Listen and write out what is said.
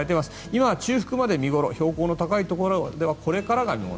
今、中腹まで見頃標高の高いところではこれからが見頃。